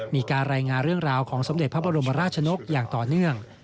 มีการรายงานเรื่องราวของสมเด็จพระบรมราชนกอย่างต่อเนื่อง